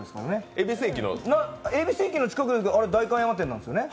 恵比寿駅の近くなのに代官山店なんですよね？